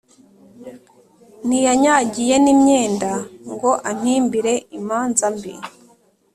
Ntiyanyagiye n'imyenda ngo ampimbire imanza mbi